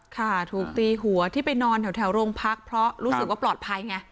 ค่ะถูกตีหัวที่ไปนอนแถวโรงพักเพราะรู้สึกว่าปลอดภัยไง